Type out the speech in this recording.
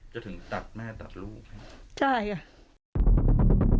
จะถึงตัดแม่ตัดลูกใช่ค่ะ